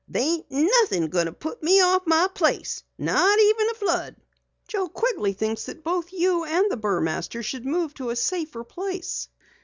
There ain't nothin' going to put me off my place not even a flood." "Joe Quigley thinks that you and the Burmasters both should move to a safer place."